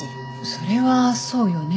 それはそうよね。